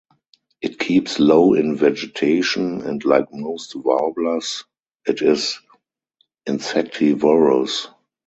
It keeps low in vegetation, and, like most warblers, it is insectivorous.